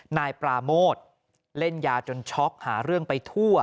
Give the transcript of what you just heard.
นายปราโมทเล่นยาจนช็อกหาเรื่องไปทั่ว